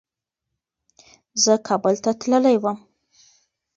زه کابل ته تللی وم.